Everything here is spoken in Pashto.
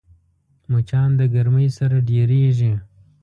مچان د ګرمۍ سره ډېریږي